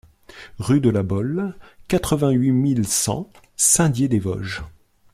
Rue de la Bolle, quatre-vingt-huit mille cent Saint-Dié-des-Vosges